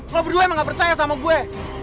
kalau berdua emang gak percaya sama gue